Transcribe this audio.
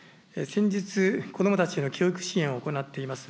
先日、子どもたちの教育支援を行っています